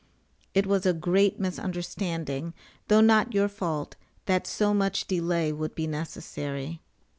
] It was a great misunderstanding, though not your fault, that so much delay would be necessary.